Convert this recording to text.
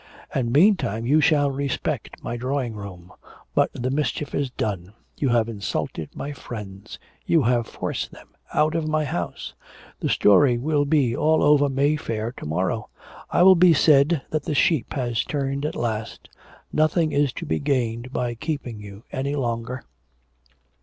'And meantime you shall respect my drawing room.... But the mischief is done; you have insulted my friends; you have forced them out of my house. The story will be all over Mayfair to morrow. It will be said that the sheep has turned at last. Nothing is to be gained by keeping you any longer.'